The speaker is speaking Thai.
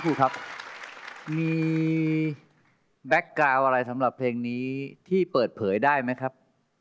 ครูครับมีแบ็คกาวน์อะไรสำหรับเพลงนี้ที่เปิดเผยได้ไหมครับ